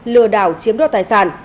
lừa đảo chiếm đoạt tài sản